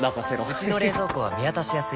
うちの冷蔵庫は見渡しやすい